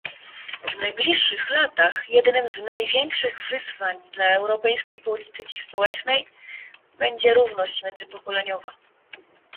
W najbliższych latach jednym z największych wyzwań dla europejskiej polityki społecznej będzie równość międzypokoleniowa